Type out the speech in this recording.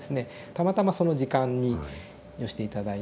たまたまその時間に寄せて頂いて。